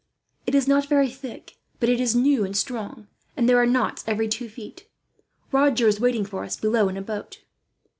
It is not very thick, but it is new and strong, and there are knots every two feet. Roger is waiting for us below, in a boat."